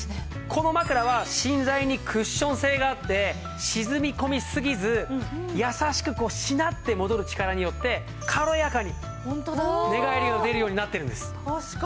この枕は芯材にクッション性があって沈み込みすぎず優しくしなって戻る力によって軽やかに寝返りを打てるようになってるんです。